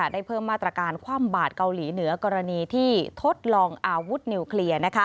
ได้เพิ่มมาตรการคว่ำบาดเกาหลีเหนือกรณีที่ทดลองอาวุธนิวเคลียร์